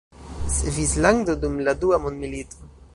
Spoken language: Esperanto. Svislando dum la dua mondmilito.